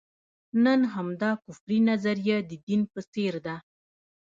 نن همدا کفري نظریه د دین په څېر ده.